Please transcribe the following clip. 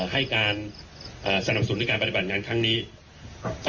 ให้การสนับสนุนในการปฏิบัติงานครั้งนี้ครับ